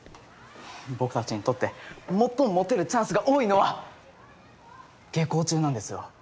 僕たちにとって最もモテるチャンスが多いのは下校中なんですよ！